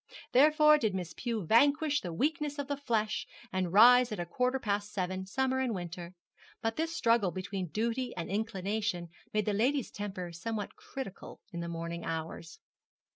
Therefore did Miss Pew vanquish the weakness of the flesh, and rise at a quarter past seven, summer and winter. But this struggle between duty and inclination made the lady's temper somewhat critical in the morning hours.